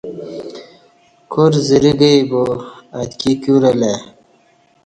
کارزرہ گئی با اتکی کیور الہ ای